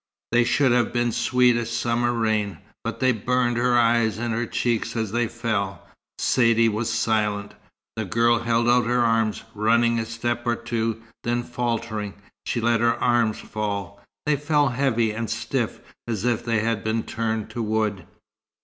They should have been sweet as summer rain, but they burned her eyes and her cheeks as they fell. Saidee was silent. The girl held out her arms, running a step or two, then, faltering, she let her arms fall. They felt heavy and stiff, as if they had been turned to wood.